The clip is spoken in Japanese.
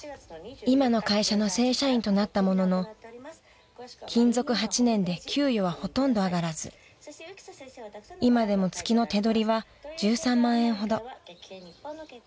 ［今の会社の正社員となったものの勤続８年で給与はほとんど上がらず今でも月の手取りは１３万円ほど］